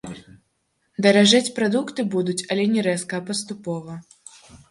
Даражэць прадукты будуць, але не рэзка, а паступова.